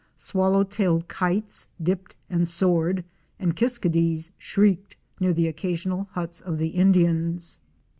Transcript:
Swallow tailed Kites * dipped and soared and Kiskadees ™ shrieked near the occasional huts of the Indians.